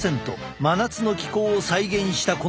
真夏の気候を再現したこの部屋で。